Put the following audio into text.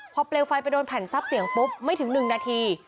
พอเปลวไฟไปโดนแผ่นทรัพย์เสียงปุ๊บไม่ถึง๑นาที